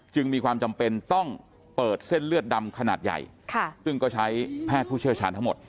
มีความจำเป็นต้องเปิดเส้นเลือดดำขนาดใหญ่ซึ่งก็ใช้แพทย์ผู้เชี่ยวชาญทั้งหมด